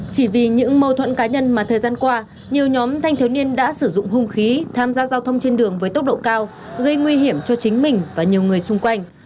chỉ vì những mâu thuẫn cá nhân mà thời gian qua nhiều nhóm thanh thiếu niên đã sử dụng hung khí tham gia giao thông trên đường với tốc độ cao gây nguy hiểm cho chính mình và nhiều người xung quanh